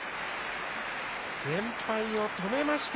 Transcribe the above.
連敗を止めました。